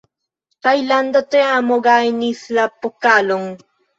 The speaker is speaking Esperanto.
Tajlanda teamo gajnis la pokalon.